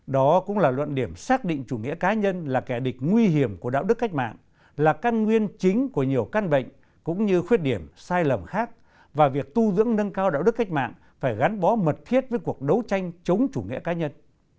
đó cũng là luận điểm xác định chủ nghĩa cá nhân là kẻ địch nguy hiểm của đạo đức cách mạng là căn nguyên chính của nhiều căn bệnh cũng như khuyết điểm sai lầm khác và việc tu dưỡng nâng cao đạo đức cách mạng phải gắn bó mật thiết với cuộc đấu tranh chống chủ nghĩa cá nhân